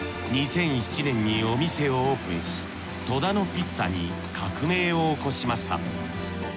２００７年にお店をオープンし戸田のピッツァに革命を起こしました。